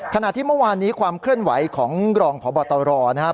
ขณะที่เมื่อวานนี้ความเคลื่อนไหวของรองพบตรนะครับ